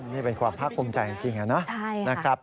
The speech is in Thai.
นี่เป็นความพร้อมใจจริงนะครับ